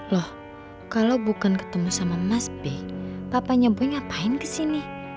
loh kalau bukan ketemu sama mas b papanya b ngapain kesini